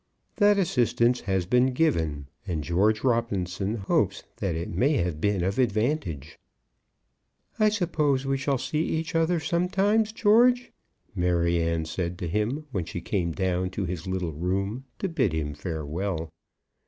That assistance has been given, and George Robinson hopes that it may have been of advantage. "I suppose we shall see each other sometimes, George," Maryanne said to him, when she came down to his little room to bid him farewell.